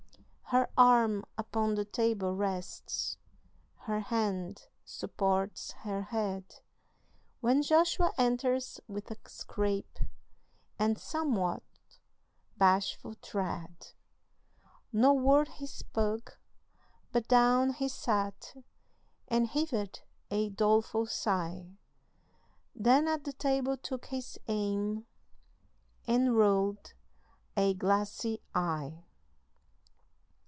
Her arm upon the table rests, Her hand supports her head, When Joshua enters with a scrape, And somewhat bashful tread. No word he spake, but down he sat, And heaved a doleful sigh, Then at the table took his aim And rolled a glassy eye.